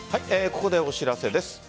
ここでお知らせです。